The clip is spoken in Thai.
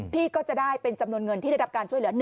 พี่ก็จะได้เป็นจำนวนเงินที่ได้รับการช่วยเหลือ